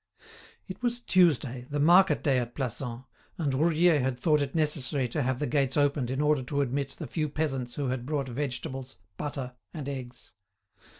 It was Tuesday, the market day at Plassans, and Roudier had thought it necessary to have the gates opened in order to admit the few peasants who had brought vegetables, butter, and eggs.